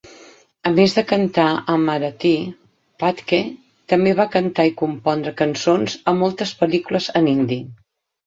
A més de cantar en marathi, Phadke també va cantar i compondre cançons a moltes pel·lícules en hindi.